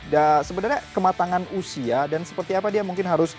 dan sebenarnya kematangan usia dan seperti apa dia mungkin harus